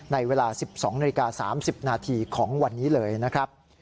ในเวลา๑๒นาฬิกา๓๐นาทีของวันนี้เลยนะครับ